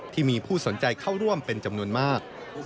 ผู้สนใจเข้าร่วมเป็นจำนวนมาก